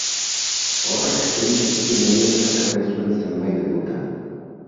Horrek tren txikien heriotza ekarri zuen zenbait lekutan.